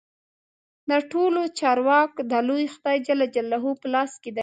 د ټولو چارو واک د لوی خدای جل جلاله په لاس کې دی.